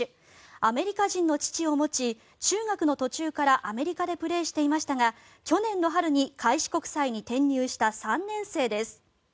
アメリカ人の父を持ち中学の途中からアメリカでプレーしていましたが去年の春に開志国際に転入した３年生です。